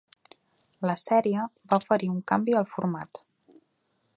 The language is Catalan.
La sèrie va oferir un canvi al format.